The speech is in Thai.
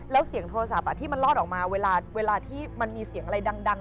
แล้วเสียงโทรศัพท์ที่มันรอดออกมาเวลาที่มันมีเสียงอะไรดัง